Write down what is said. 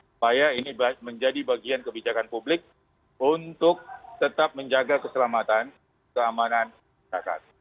supaya ini menjadi bagian kebijakan publik untuk tetap menjaga keselamatan keamanan masyarakat